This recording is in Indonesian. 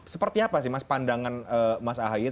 seperti apa sih mas pandangan mas ahaye